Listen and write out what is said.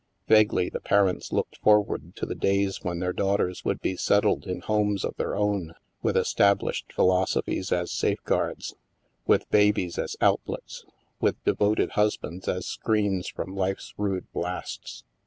Vaguely the parents looked forward to the days when their daughters would be "settled" in homes of their own, with established philosophies as safeguards, with babies as outlets, with devoted husbands as screens from life's rude blasts.